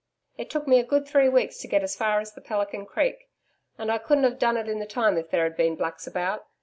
It took me a good three weeks to get as far as the Pelican Creek, and I couldn't have done it in the time if there had been Blacks about.